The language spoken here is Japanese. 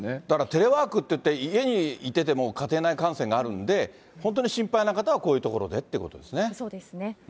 だから、テレワークっていって、家にいてても、家庭内感染があるんで、本当に心配な方はこういう所でっていうことですね。